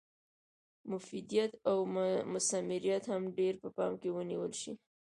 مفیدیت او مثمریت هم باید په پام کې ونیول شي.